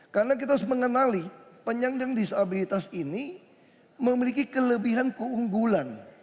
karena kita harus mengenali penyandang disabilitas ini memiliki kelebihan keunggulan